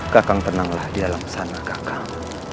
kakang tenanglah di alam sana kakak